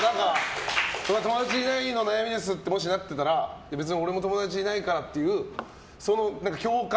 友達いないの悩みですってもしなってたら別に俺も友達いないからってその共感。